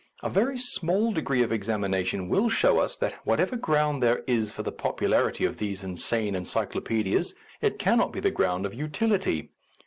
A very small degree of examination will show us that whatever ground there is for the popularity of these insane encyclo paedias, it cannot be the ground of utility.